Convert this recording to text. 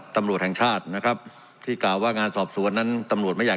ตำรวจแห่งชาตินะครับที่กล่าวว่างานสอบสวนนั้นตำรวจไม่อยาก